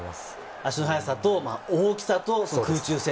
足の速さと大きさと空中戦と。